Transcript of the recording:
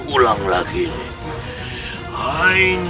kau tidak bisa menang